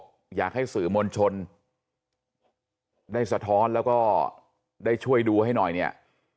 อยากให้สื่อมวลชนได้สะท้อนแล้วก็ได้ช่วยดูให้หน่อยเนี่ย